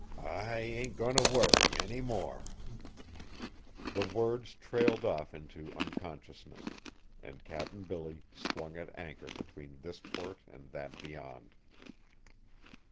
"I ain't goin' t' worry any more!" The words trailed off into unconsciousness, and Cap'n Billy swung at anchor between this port and that beyond.